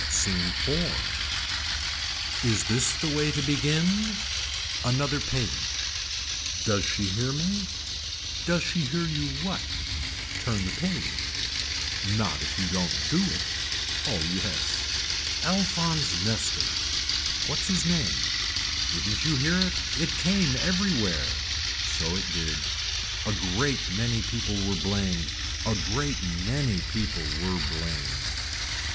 SCENE IV. Is this the way to begin. Another page. Does she hear me. Does she hear you what. Turn the page. Not if you don't do it. Oh yes. Alphonse Nester. What's his name. Didn't you hear it. It came everywhere. So it did. A great many people were blamed. A great many people were blamed.